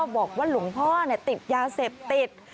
บอกว่าหลวงพ่อติดยาเสพติด